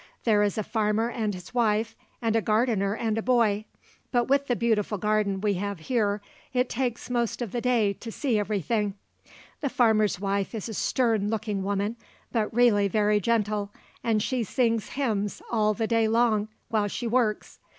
There is a farmer and his wife, and a gardener and a boy; but with the beautiful garden we have here it takes most of the day to see to everything. The farmer's wife is a stern looking woman, but really very gentle, and she sings hymns all the day long while she works.